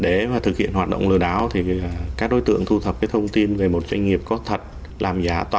để thực hiện hoạt động lừa đáo các đối tượng thu thập thông tin về một doanh nghiệp có thật